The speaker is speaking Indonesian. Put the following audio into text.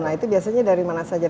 nah itu biasanya dari mana saja